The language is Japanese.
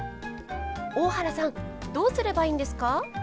大原さんどうすればいいんですか？